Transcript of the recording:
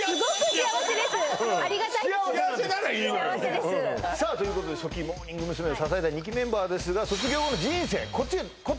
幸せです幸せならいいのよさあということで初期モーニング娘。を支えた２期メンバーですがこっち